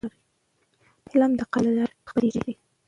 علم د قلم له لارې خپرېږي.